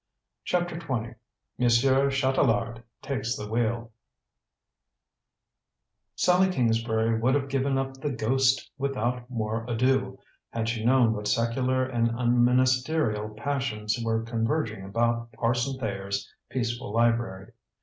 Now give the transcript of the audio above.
CHAPTER XX MONSIEUR CHATELARD TAKES THE WHEEL Sallie Kingsbury would have given up the ghost without more ado, had she known what secular and unministerial passions were converging about Parson Thayer's peaceful library.